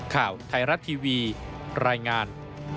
ข่าวไทยรัฐทีวีรายงาน